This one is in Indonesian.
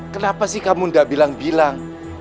kenapa sih kamu tidak bilang bilang